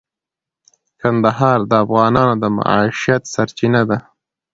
کندهار د افغانانو د معیشت سرچینه ده.